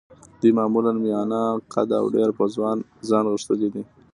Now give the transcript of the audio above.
دوی معمولاً میانه قده او ډېر په ځان غښتلي دي.